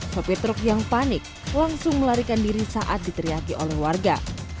sopir truk yang panik langsung melarikan diri saat diteriaki oleh warga